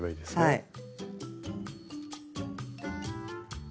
はい。